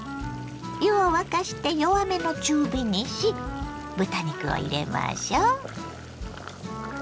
湯を沸かして弱めの中火にし豚肉を入れましょ。